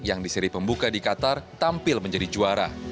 yang di seri pembuka di qatar tampil menjadi juara